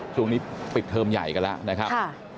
ช่วงนี้ปิดเทอมใหญ่กันแล้วนะครับ